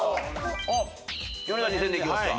ヨネダ２０００でいきますか。